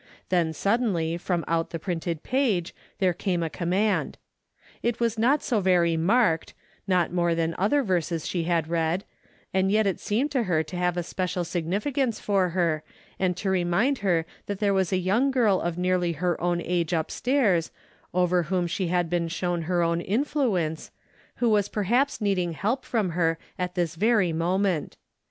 Then suddenly from out the printed page there came a command. It was not so very marked, not more than other verses she had read, and yet it seemed to her to have a special significance for her, and to remind her that there was a young girl of nearly her own age upstairs, over whom she had been shown her own influence, who was perhaps needing help from her at this very moment.